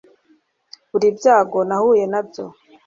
Buri byago nahuye nabyo